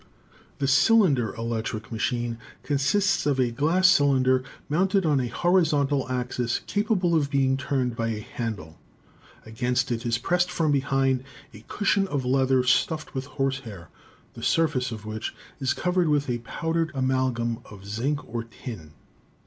"The cylinder electric machine consists of a glass cylin der mounted on a horizontal axis capable of being turned by a handle. Against it is pressed from behind a cushion of leather stuffed with horsehair, the surface of which is covered with a powdered amalgam of zinc or tin.